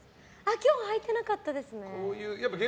今日は履いてなかったですね。